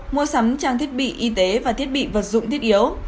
mua sắm trang thiết bị y tế và thiết bị vật dụng thiết yếu